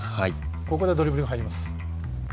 ここでドリブルが入ります。